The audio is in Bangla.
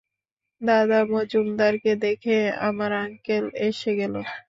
দাদা, মজুমদারকে দেখে আমার আক্কেল এসে গেল।